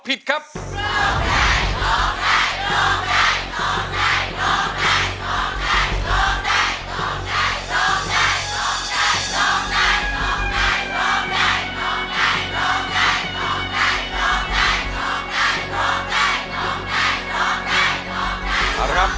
ผิดครับ